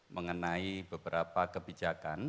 mengenai beberapa kebijakan